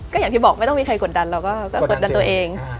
ก็อย่างที่บอกไม่ต้องมีใครกดดันเราก็กดดันตัวเอง